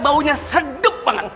baunya sedup banget